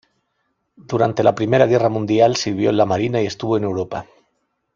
Durante la primera guerra mundial, sirvió en la marina y estuvo en Europa.